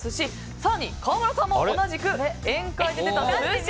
更に川村さんも同じく宴会で出た寿司。